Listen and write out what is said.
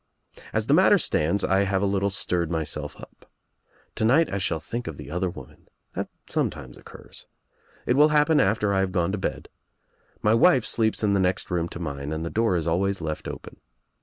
As the matter stands I have a little stirred myself up. To night I shall think of the other woman. That sometimes occurs. It will happen after I have gone to bed. My wife sleeps in the next room to mine and the door is always left open.